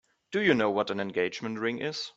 Do you know what an engagement ring is?